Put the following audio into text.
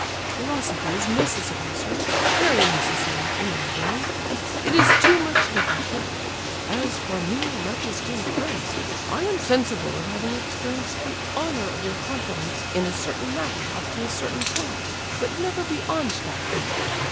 "Philosophy is necessary, sir—very necessary—in our day. It is too much neglected. As for me, much esteemed prince, I am sensible of having experienced the honour of your confidence in a certain matter up to a certain point, but never beyond that point.